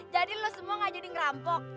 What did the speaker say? jadi lo semua gak jadi ngerampok